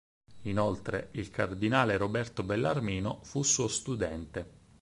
Inoltre, il cardinale Roberto Bellarmino fu suo studente.